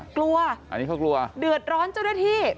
กลัวเดือดร้อนเจ้าหน้าที่